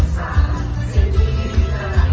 สวัสดีครับ